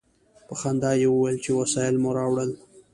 په خندا یې وویل چې وسایل مو راوړل.